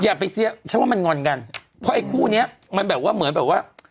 อย่าไปเสียฉันว่ามันงอนกันเพราะไอ้คู่เนี้ยมันแบบว่าเหมือนแบบว่า